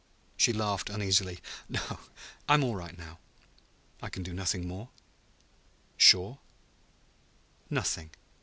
She laughed uneasily. "I'm all right now." "I can do nothing more? Sure?" "Nothing.